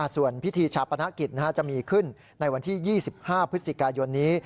ส่วนพิธีชาปนกิจจะมีขึ้นในวันที่๒๕พฤศจิกายนนี้